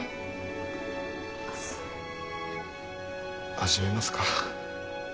始めますか。